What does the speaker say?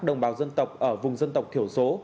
đồng bào dân tộc ở vùng dân tộc thiểu số